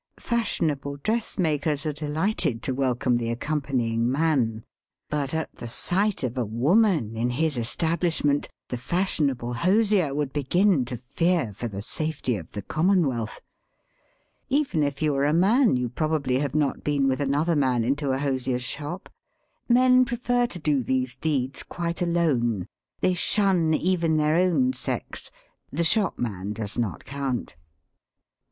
Fashionable dress makers are delighted to welcome the accompanying man. But at the sight of a woman in his estab 83 84 SELF AND SELF MANAGEMENT lisfament the fashionable hosier would begin to fear for the safety of the commonwealth. Even if jou are a man you probably have not been with another man into a hosier's shop. Men prefer to do these deeds quite alone ; they shun even their own sex ; the shopman does not count.